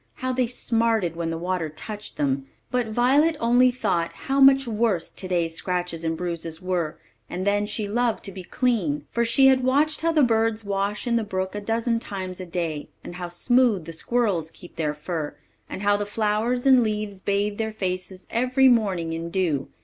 How they smarted when the water touched them! but Violet only thought how much worse Toady's scratches and bruises were; and then she loved to be clean, for she had watched how the birds wash in the brook a dozen times a day, and how smooth the squirrels keep their fur, and how the flowers and leaves bathe their faces every morning in dew.